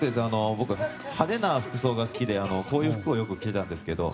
僕、派手な服装が好きでこういう服をよく着ていたんですけど。